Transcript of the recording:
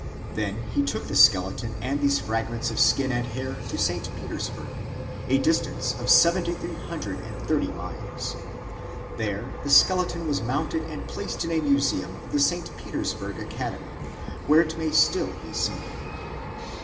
He then took the skele ton and these fragments of skin and hair to St. Petersburg, a distance of 7330 miles. There the skeleton was mounted and placed in the museum of the St. Petersburg Academy, where it may still be seen.